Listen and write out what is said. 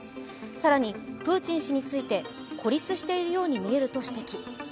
更にプーチン氏について孤立しているように見えると指摘。